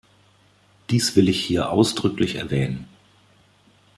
Dies will ich hier ausdrücklich erwähnen.